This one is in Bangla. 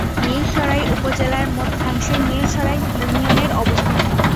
মীরসরাই উপজেলার মধ্যাংশে মীরসরাই ইউনিয়নের অবস্থান।